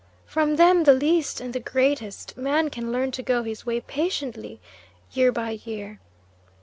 From them, the least and the greatest, man can learn to go his way patiently, year by year.